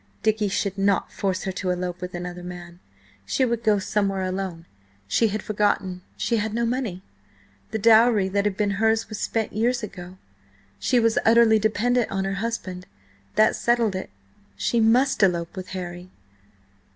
Dicky should not force her to elope with another man. She would go somewhere alone–she had forgotten–she had no money. The dowry that had been hers was spent years ago. She was utterly dependent on her husband. That settled it: she must elope with Harry!